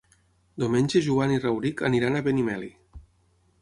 Diumenge en Joan i en Rauric aniran a Benimeli.